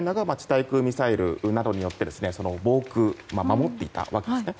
対空ミサイルなどによってその防空守っていたわけですね。